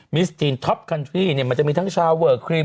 มิสทีนท็อปคันทรี่เนี่ยมันจะมีทั้งชาวเวอร์ครีม